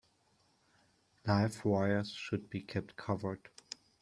Live wires should be kept covered.